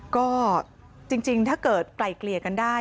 ก็จริงถ้าเกิดไกลเกลี่ยกันได้